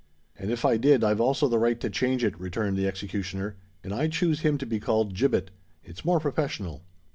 "And if I did, I've also the right to change it," returned the executioner; "and I choose him to be called Gibbet. It's more professional."